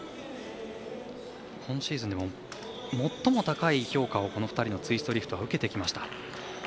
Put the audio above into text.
今シーズン、最も高い評価をこの２人のツイストリフトは受けてきました。